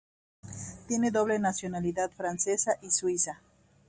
Tiene doble nacionalidad, francesa y suiza.